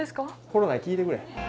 コロナに聞いてくれ。